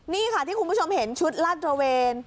นี่ค่ะที่คุณผู้ชมเห็นชุดลาดตระเวน